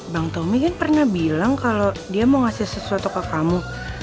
bang tommy kan pernah bilang kalau dia mau ngasih sesuatu ke kamu